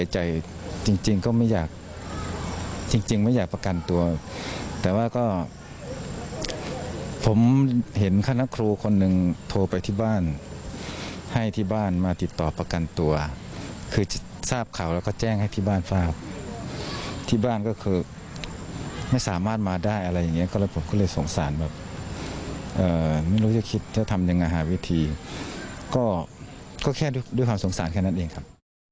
ก็ไม่อยากจริงไม่อยากประกันตัวแต่ว่าก็ผมเห็นคณะครูคนหนึ่งโทรไปที่บ้านให้ที่บ้านมาติดต่อประกันตัวคือทราบข่าวแล้วก็แจ้งให้ที่บ้านทราบที่บ้านก็คือไม่สามารถมาได้อะไรอย่างเงี้ยก็เลยผมก็เลยสงสารแบบไม่รู้จะคิดจะทำยังไงหาวิธีก็แค่ด้วยความสงสารแค่นั้นเองครับ